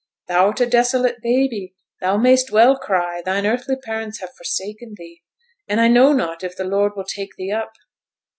Thou'rt a desolate babe, thou may'st well cry; thine earthly parents have forsaken thee, and I know not if the Lord will take thee up.'